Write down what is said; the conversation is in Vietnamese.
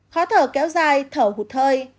khó thở kéo dài thở hụt